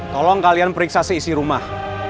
tolong kalian periksa seisi rumah